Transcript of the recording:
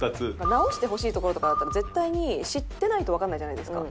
「“直してほしいところ”とかだったら絶対に知ってないとわからないじゃないですか」